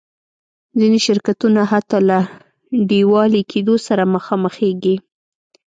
ځینې شرکتونه حتی له ډیوالي کېدو سره مخامخېږي.